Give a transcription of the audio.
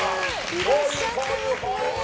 いらっしゃってますね！